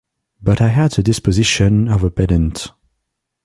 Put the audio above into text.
But I had the disposition of a pedant.